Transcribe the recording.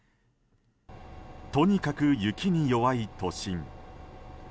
とにかく雪に弱い都心。